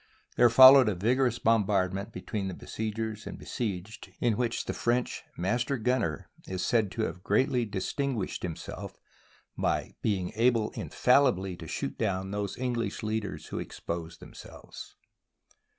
There followed a vigorous bombardment between besiegers and be sieged in which the French master gunner is said SIEGE OF ORLEANS to have greatly distinguished himself by being able infallibly to shoot down those English leaders who exposed themselves.